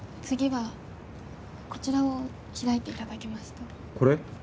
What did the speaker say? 次はこちらを開いていただけますとこれ？